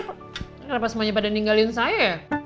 kenapa semuanya pada ninggalin saya ya